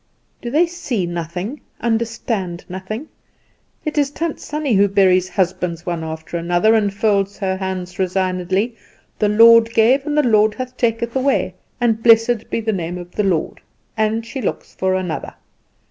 "Do they see nothing, understand nothing? It is Tant Sannie who buries husbands one after another, and folds her hands resignedly, 'The Lord gave, and the Lord hath taken away, and blessed be the name of the Lord,' and she looks for another.